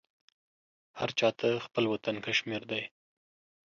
هر چا ته خپل وطن کشمیر دی.